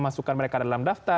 masukkan mereka dalam daftar